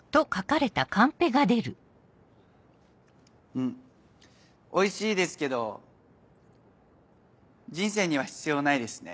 うんおいしいですけど人生には必要ないですね。